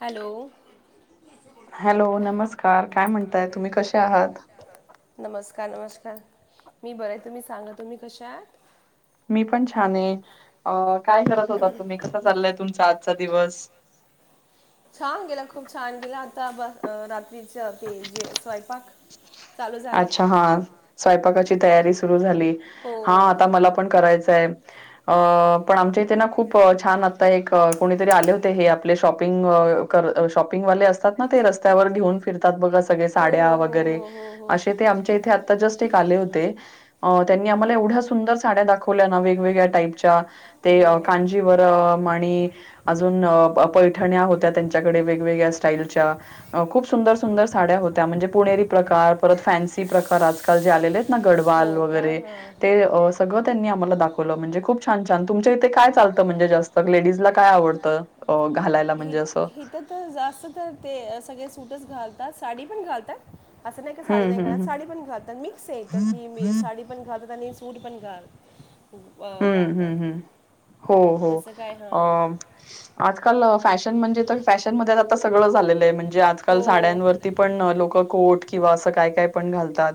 Hello!. Hello! नमस्कार. काय म्हणताय तुम्ही? कसे आहात? नमस्कार नमस्कार मी बरं आहे तुम्ही सांगा तुम्ही कशा आहात? मी पण छान आहे अ काय करत होता तुम्ही कसा चाललाय तुमचा आजचा दिवस? छान गेला खूप छान गेला आता ब रात्रीच्या ते जे स्वयंपाक. चालू झाला अच्छा हा स्वयंपाकाची तयारी सुरू झाली. हो. हा आता मला पण करायचाय. अ पण आमच्या इथे ना खूप छान आता एक कोणीतरी आले होते हे आपले शॉपिंग कर शॉपिंग वाले असतात ना ते रस्त्यावर घेऊन फिरतात बघा सगळे हो साड्या हो हो साड्या वगैरे हो हो वगैरे हो. असे ते आमच्या इथे आत्ता जस्ट एक आले होते. अ त्यांनी आम्हाला एवढ्या सुंदर साड्या दाखवल्या ना वेगवेगळ्या टाईपच्या ते कांजीवरम आणि अजून पैठण्या होत्या त्यांच्याकडे वेगवेगळ्या स्टाईलच्या. खूप सुंदर सुंदर साड्या होत्या म्हणजे पुणेरी प्रकार परत फॅन्सी प्रकार, आजकाल जे आलेले आहेत हो गडवाल साड्या का? वगैरे हा ते सगळं त्यांनी आम्हाला दाखवलं म्हणजे खूप छान छान तुमच्या इथे काय चालतं म्हणजे जास्त लेडीजला काय आवडतं? अं घालायला? ह म्हणजे असं? हथं तर जास्त तर ते सगळे सूटच घालतात साडी पण घालतात. असं नाही का साडी हं, नाही हं, घालत हं. साडी पण घालतात मिक्स आहे इथ की मी साडी पण घालतात आणि सूट पण घालतात. अं, हम्म हम् हम् हो हो त्याचं काय हां अ. आजकाल फॅशन म्हणजे फॅशन मध्ये आता सगळं झालेलं आहे म्हणजे आजकाल हो साड्यांवर ते पण लोक कोट किंवा असं काय काय पण घालतात.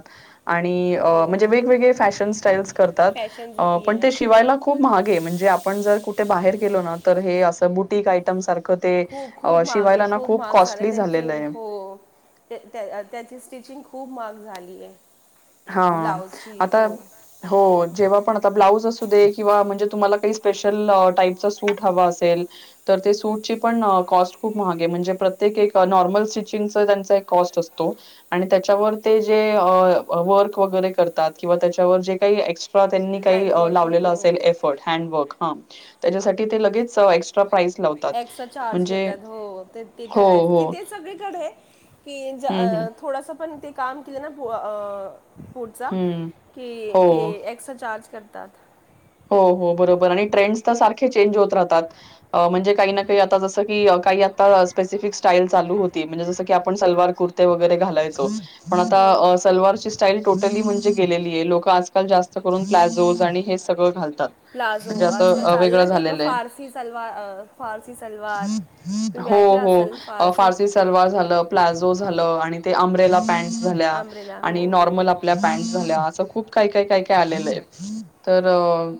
आणि म्हणजे हो वेगवेगळे फॅशन स्टाईल्स करतात फॅशन अब ये शिवायला खूप महाग आहे म्हणजे आपण जर कुठे बाहेर गेलो ना तर हे असं बुटक आयटम सारखं. ते हो खूप अ, महागे शिवायला ना खूप महाग झाल्यात कॉस्टली त्यांची झालेलं आहे हो. त्या त्याची स्टिचिंग खूप महाग झाली आहे. हा ब्लाऊजची आता हो हो जेव्हा पण आता ब्लाऊज असू दे किंवा म्हणजे तुम्हांला काही स्पेशल टाईपच सूट हवं असेल. तर ते सूटची पण कॉस्ट खूप महागे म्हणजे प्रत्येक एक नॉर्मल स्टिचिंगचा त्यांचा एक कॉस्ट असतो. आणि त्याच्यावर ते जे अ वर्क वगैरे करतात किंवा त्याच्यावर जे काही एक्स्ट्रा त्यांनी काही हँडवर्क लावलेलं हो हँडवर्क असेल ए. हॅडवर्क ह त्यांच्यासाठी ते लगेच ए. एक्स्ट्रा चार्ज घेतात हो ते तिथे हो आहेत हो कि ते सगळीकडे की ज हम्म हम्म थोडसं पण ते काम केलं ना अ. पु पुढचा हम्म की ते हो एक्स्ट्रा चार्ज करतात. हो हो बरोबर आणि ट्रेंड्स तर सारखे चेंज होत राहतात. म्हणजे काही ना काही आता जसं की काही आता स्पेसिफिक स्टाईल चालू होती म्हणजे जसं की आपण सलवार कुर्ती. र्ती वगैरे घालायचो. पण आता सलवारची स्टाईल टोटली म्हणजे गेलेली आहे लोक आजकाल जास्त करून प्लाझोज आणि हे सगळं घालतात. प्लाझो म्हणजे असं आजकाल अ, चाल वेगळं ना ते झालेलं आहे. फारसी सलवार फारसी सलवार. तुम्ही हो ऐकलं असेल हो फारसी सलवार झालं प्लाझो झालं आणि ते अंमरेला पॅन्ट. झाल्या आणि नॉर्मल आपल्या पॅट. झाल्या असं खूप काही काय काय आलेलंय तर.